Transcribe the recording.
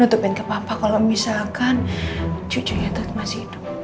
nutupin ke papa kalo misalkan cucunya masih hidup